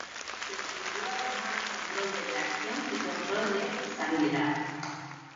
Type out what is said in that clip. Se incluyó además control de tracción y control de estabilidad.